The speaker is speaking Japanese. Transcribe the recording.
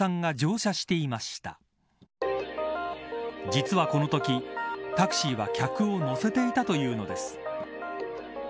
実は、このときタクシーは客を乗せていたというのです。